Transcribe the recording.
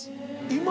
今？